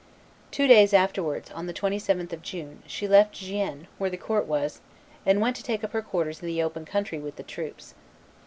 Two days afterwards, on the 27th of June, she left Gien, where the court was, and went to take up her quarters in the open country with the troops.